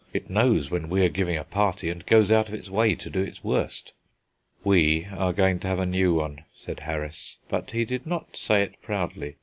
It knows when we are giving a party, and goes out of its way to do its worst." "We are going to have a new one," said Harris, but he did not say it proudly.